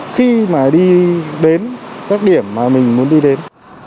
khi mà đi đến các điểm mà mình muốn đi đến